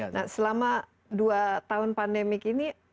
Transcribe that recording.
nah selama dua tahun pandemi ini